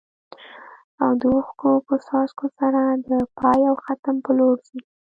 او د اوښکو په څاڅکو سره د پای او ختم په لور ځي.